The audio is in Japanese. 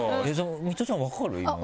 ミトちゃん分かる？